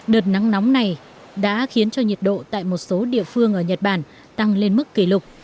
đợt nắng nóng này đã khiến cho nhiệt độ tại một số địa phương ở nhật bản tăng lên mức kỷ lục